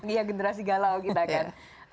iya generasi galau kita kan